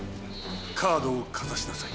カードをかざしなさい。